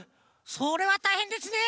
それはたいへんですね。